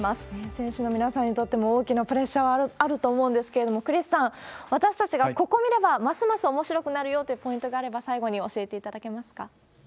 選手の皆さんにとっても大きなプレッシャーがあると思うんですけれども、クリスさん、私たちがここ見ればますますおもしろくなるよというポイントがあれば、最後に教えていただけますか？